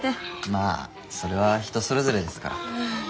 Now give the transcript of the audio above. まあそれは人それぞれですから。